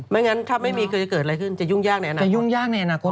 ไม่งั้นถ้าไม่มีเกิดอะไรขึ้นจะยุ่งยากในอนาคต